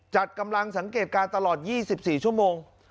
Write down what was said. จัดกำลังสังเกตการณ์ตลอด๒๔ชั่วโมง